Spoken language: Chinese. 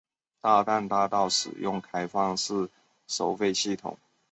大淡大道使用开放式收费系统。